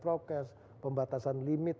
prokes pembatasan limit